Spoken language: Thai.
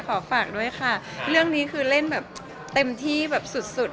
ขอฝากด้วยค่ะเรื่องนี้คือเล่นแบบเต็มที่แบบสุด